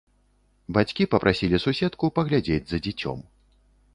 Бацькі папрасілі суседку паглядзець за дзіцем.